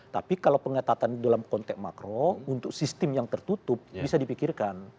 tapi kalau pengetatan dalam konteks makro untuk sistem yang tertutup bisa dipikirkan